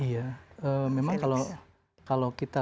iya memang kalau kita